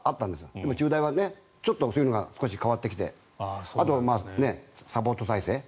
でも、中大はそういうのが少し変わってきてあとはサポート体制。